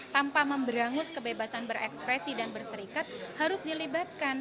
tanpa memberangus kebebasan berekspresi dan berserikat harus dilibatkan